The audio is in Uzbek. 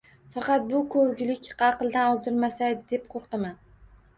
Faqat bu ko`rgilik aqldan ozdirmasaydi deb qo`rqaman